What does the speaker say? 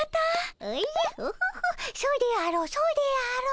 おじゃオホホそうであろうそうであろう。